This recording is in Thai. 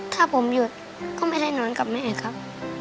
ถ้าผมหยุดก็ไม่ได้นอนกับแม่ครับ